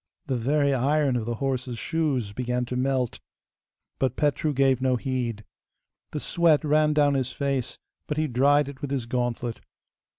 The very iron of the horse's shoes began to melt, but Petru gave no heed. The sweat ran down his face, but he dried it with his gauntlet.